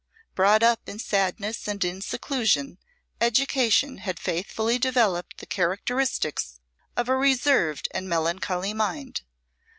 Brought up in sadness and in seclusion, education had faithfully developed the characteristics of a reserved and melancholy mind.